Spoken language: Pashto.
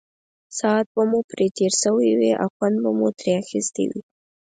ساعت به مو پرې تېر شوی او خوند به مو ترې اخیستی وي.